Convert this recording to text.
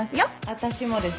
私もです。